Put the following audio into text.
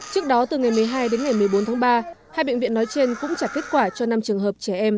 trước đó từ ngày một mươi hai đến ngày một mươi bốn tháng ba hai bệnh viện nói trên cũng trả kết quả cho năm trường hợp trẻ em